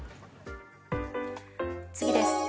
次です。